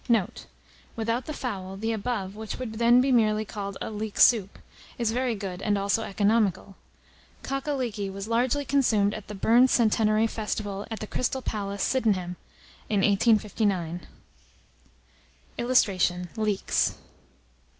Note. Without the fowl, the above, which would then be merely called leek soup, is very good, and also economical. Cock a leekie was largely consumed at the Burns Centenary Festival at the Crystal Palace, Sydenham, in 1859. [Illustration: LEEKS.